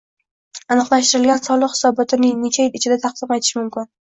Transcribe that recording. Aniqlashtirilgan soliq hisobotini necha yil ichida taqdim etish mumkin?